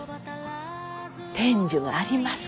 天寿があります